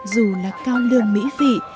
dù là cao lương mỹ vị